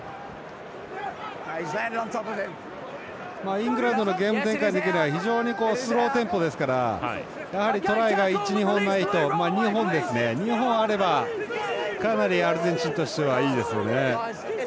イングランドのゲーム展開的には非常にスローテンポですからやはりトライが２本あればかなりアルゼンチンとしてはいいですよね。